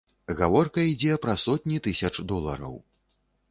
Гаворка ідзе пра сотні тысяч долараў.